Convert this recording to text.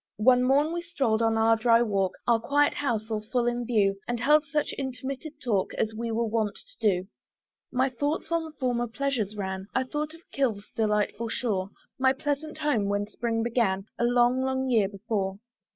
One morn we stroll'd on our dry walk, Our quiet house all full in view, And held such intermitted talk As we are wont to do. My thoughts on former pleasures ran; I thought of Kilve's delightful shore, My pleasant home, when spring began, A long, long year before.